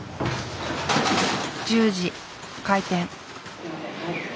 １０時開店。